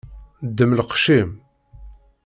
Ddem lqec-im.